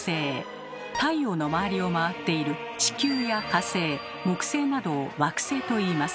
太陽の周りを回っている地球や火星木星などを「惑星」といいます。